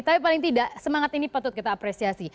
tapi paling tidak semangat ini patut kita apresiasi